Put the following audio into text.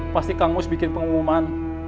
pasti kang mus bikin pengumuman